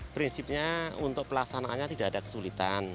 prinsipnya untuk pelaksanaannya tidak ada kesulitan